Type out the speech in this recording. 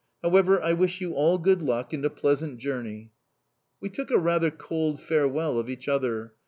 However, I wish you all good luck and a pleasant journey." We took a rather cold farewell of each other.